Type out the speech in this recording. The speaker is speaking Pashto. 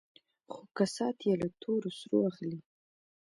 خو کسات يې له تور سرو اخلي.